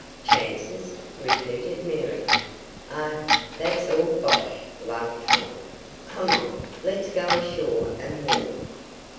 "Chances?" repeated Mary. "Oh, that's all bosh!" laughed Tom. "Come on, let's go ashore and walk."